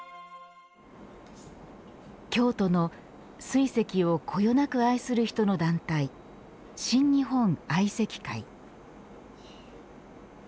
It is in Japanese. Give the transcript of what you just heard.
京都の水石をこよなく愛する人の団体新日本愛石会。